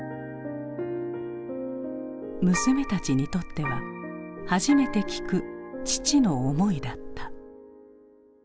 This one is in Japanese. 娘たちにとっては初めて聞く父の思いだった。